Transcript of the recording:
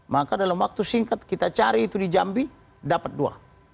maka dalam waktu singkat kita cari itu di jambi dapat dua